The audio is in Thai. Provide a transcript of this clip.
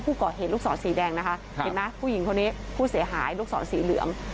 ผู้ก่อเหตุลูกศรสีแดงนะคะเห็นไหมผู้หญิงคนนี้ผู้เสียหายลูกศรสีเหลือง